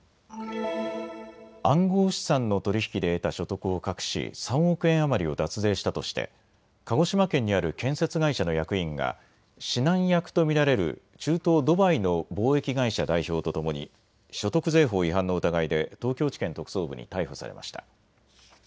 暗号資産の取り引きで得た所得を隠し、３億円余りを脱税したとして鹿児島県にある建設会社の役員が指南役と見られる中東ドバイの貿易会社代表とともに所得税法違反の疑いで東京地検特捜部に逮捕されました。